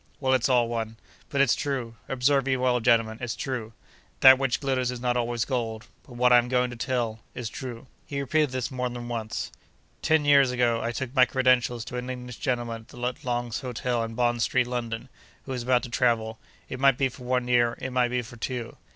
Well, it's all one. But it's true. Observe me well, gentlemen, it's true. That which glitters is not always gold; but what I am going to tell, is true.' He repeated this more than once. Ten years ago, I took my credentials to an English gentleman at Long's Hotel, in Bond Street, London, who was about to travel—it might be for one year, it might be for two.